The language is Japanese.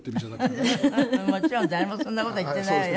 もちろん誰もそんな事は言ってないわよ。